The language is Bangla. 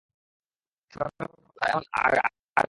সরকার বা ব্যবস্থা এখন আগের মতো নেই।